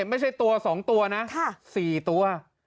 ไม่ใช่ตัวสองตัวนะสี่ตัว